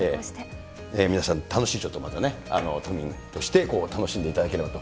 皆さん楽しい、ちょっとね、都民として楽しんでいただければと。